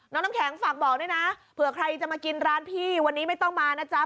น้ำแข็งฝากบอกด้วยนะเผื่อใครจะมากินร้านพี่วันนี้ไม่ต้องมานะจ๊ะ